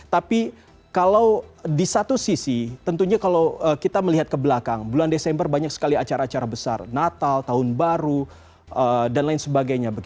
tapi kalau di satu sisi tentunya kalau kita melihat ke belakang bulan desember banyak sekali acara acara besar natal tahun baru dan lain sebagainya